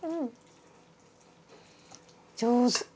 上手。